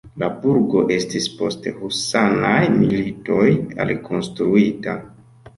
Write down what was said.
La burgo estis post husanaj militoj alikonstruita.